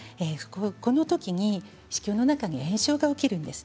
このときに子宮の中に炎症が起きるんです。